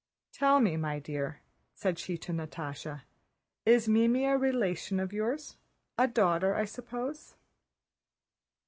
"Tell me, my dear," said she to Natásha, "is Mimi a relation of yours? A daughter, I suppose?"